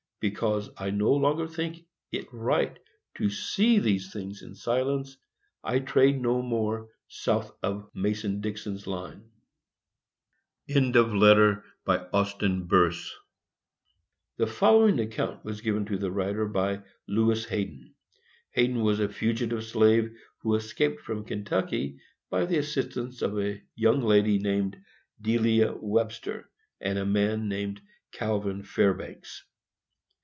Because I no longer think it right to see these things in silence, I trade no more south of Mason & Dixon's line. AUSTIN BEARSE. The following account was given to the writer by Lewis Hayden. Hayden was a fugitive slave, who escaped from Kentucky by the assistance of a young lady named Delia Webster, and a man named Calvin Fairbanks.